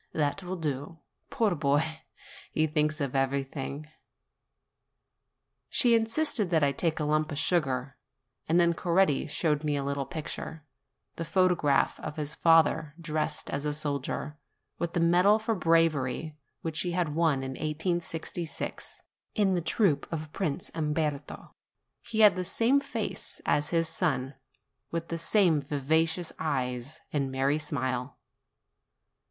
"That will do. Poor boy ! he thinks of everything." She insisted that I should take a lump of sugar ; and then Coretti showed me a little picture, the photo graph of his father dressed as a soldier, with the medal for bravery which he had won in 1866, in the troop of Prince Umberto : he had the same face as his son, with the same vivacious eyes and merry smile.